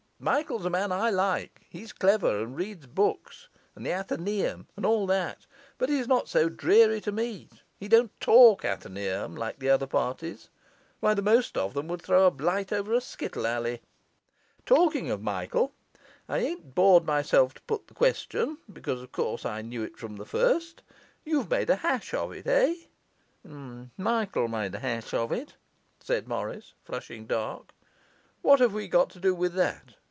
Michael's a man I like; he's clever and reads books, and the Athaeneum, and all that; but he's not dreary to meet, he don't talk Athaeneum like the other parties; why, the most of them would throw a blight over a skittle alley! Talking of Michael, I ain't bored myself to put the question, because of course I knew it from the first. You've made a hash of it, eh?' 'Michael made a hash of it,' said Morris, flushing dark. 'What have we got to do with that?